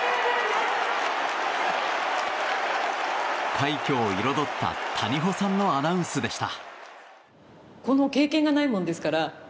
快挙を彩った谷保さんのアナウンスでした。